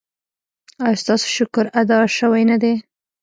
ایا ستاسو شکر ادا شوی نه دی؟